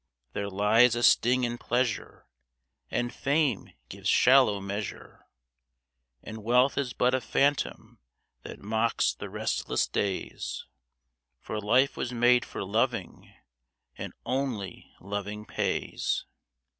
There lies a sting in pleasure, And fame gives shallow measure, And wealth is but a phantom that mocks the restless days, For life was made for loving, and only loving pays.